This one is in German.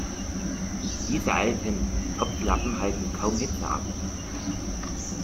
Diese alten Topflappen halten kaum Hitze ab.